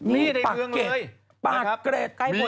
นี่ใบเมืองเลยปากเกรดปากเกรดใกล้บริภัทรเลย